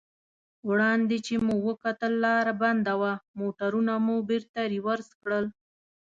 وړاندې چې مو وکتل لار بنده وه، موټرونه مو بېرته رېورس کړل.